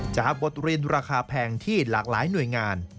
จากบทเรียนราคาแพงที่หลากหลายหน่วยงาน